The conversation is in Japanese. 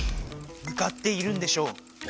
むかっているんでしょう。